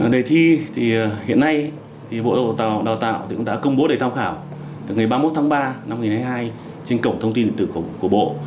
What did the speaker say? đề thi thì hiện nay thì bộ đào tạo cũng đã công bố để tham khảo từ ngày ba mươi một tháng ba năm hai nghìn hai mươi hai trên cổng thông tin của bộ